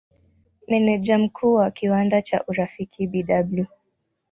Meneja Mkuu wa kiwanda cha Urafiki Bw.